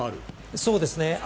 そうですね。